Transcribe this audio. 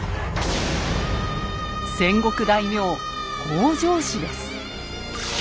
戦国大名北条氏です。